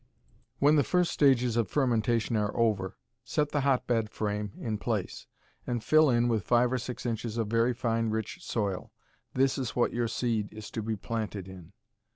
When the first stages of fermentation are over, set the hotbed frame in place, and fill in with five or six inches of very fine, rich soil. This is what your seed is to be planted in.